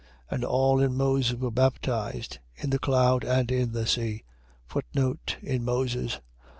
10:2. And all in Moses were baptized, in the cloud and in the sea: In Moses.